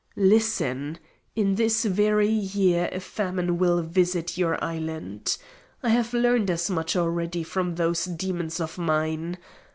Listen! In this very year a famine will visit your island. I have learnt as much already from those demons of mine.